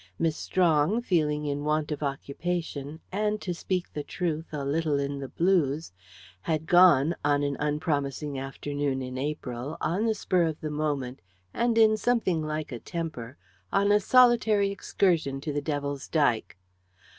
Miss Strong, feeling in want of occupation, and, to speak the truth, a little in the blues, had gone, on an unpromising afternoon in April, on the spur of the moment, and in something like a temper, on a solitary excursion to the Devil's Dyke.